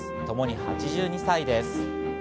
ともに８２歳です。